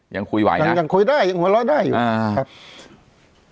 ยังคุยบ่อยน่ะยังคุยได้ยังหัวหล้อได้อ่าครับ